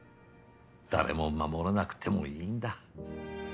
誰も守らなくてもいいんだ。